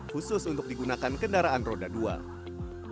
khusus untuk digunakan kendaraan roda dua